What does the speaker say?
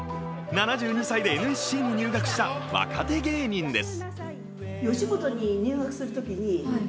７２歳でＮＳＣに入学した若手芸人です。